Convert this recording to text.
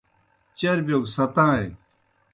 چربِیو گہ ستائیں۔